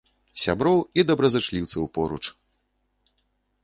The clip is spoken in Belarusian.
Сяброў і добразычліўцаў поруч!